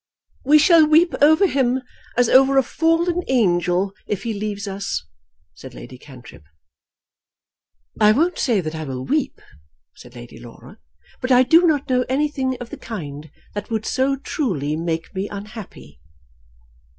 "We shall weep over him, as over a fallen angel, if he leaves us," said Lady Cantrip. "I won't say that I will weep," said Lady Laura, "but I do not know anything of the kind that would so truly make me unhappy."